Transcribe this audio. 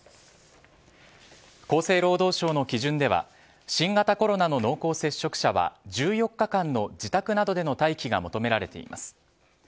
厚生労働省の基準では新型コロナの濃厚接触者は１４日間の自宅などでの待機が求められています。